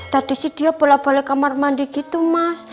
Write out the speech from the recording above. tadi si dia bola balik kamar mandi gitu mas